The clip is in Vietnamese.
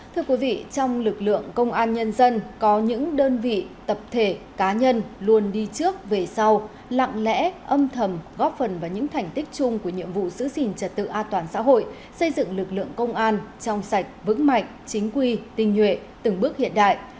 thưa quý vị trong lực lượng công an nhân dân có những đơn vị tập thể cá nhân luôn đi trước về sau lặng lẽ âm thầm góp phần vào những thành tích chung của nhiệm vụ giữ gìn trật tự an toàn xã hội xây dựng lực lượng công an trong sạch vững mạnh chính quy tinh nhuệ từng bước hiện đại